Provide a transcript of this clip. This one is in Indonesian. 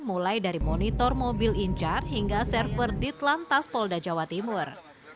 mulai dari monitor mobil incar hingga server ditlantas polda jawa timur